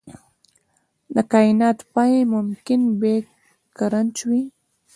د کائنات پای ممکن بیګ کرنچ وي.